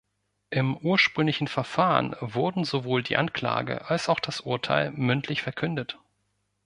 Im ursprünglichen Verfahren wurden sowohl die Anklage als auch das Urteil mündlich verkündet.